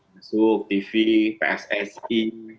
masuk tv pssi